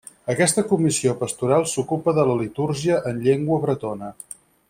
Aquesta comissió pastoral s'ocupa de la litúrgia en llengua bretona.